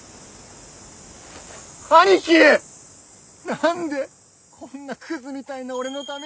何でこんなクズみたいな俺のために。